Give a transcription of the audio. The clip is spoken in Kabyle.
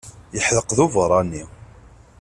Yeḥdeq d uberranni.